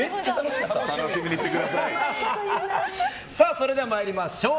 それでは参りましょう。